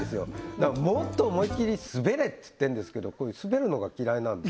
だからもっと思いっきりスベれっつってんですけどスベるのが嫌いなんですよ